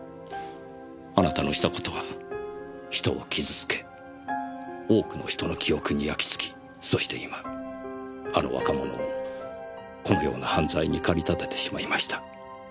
あなたのした事は人を傷つけ多くの人の記憶に焼き付きそして今あの若者をこのような犯罪に駆り立ててしまいました。